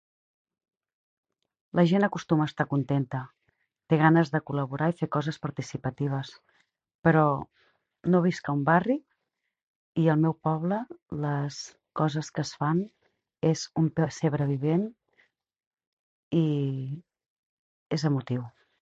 La gent acostuma a estar contenta, té ganes de col·laborar i fer coses participatives, però no visc a un barri i al meu poble les coses que es fan és un pessebre vivent i és emotiu.